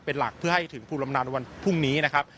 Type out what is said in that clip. เป็นหลักเพื่อให้ถึงภูมิลำนานวันพรุ่งนี้นะครับ